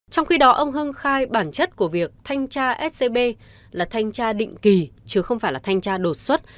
trong khi đó ông hưng khai bản chất của việc thanh tra scb là thanh tra định kỳ chứ không phải là thanh tra đột xuất